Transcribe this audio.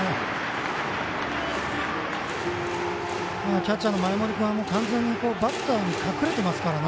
キャッチャーの前盛君はバッターで後ろに隠れていますからね。